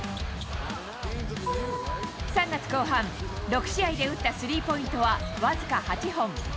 ３月後半、６試合で打ったスリーポイントは僅か８本。